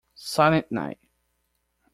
Silent Night.